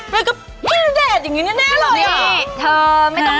แล้วกับพี่รณเดชน์อย่างงี้แน่เลย